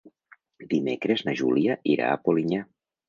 Dimecres na Júlia irà a Polinyà.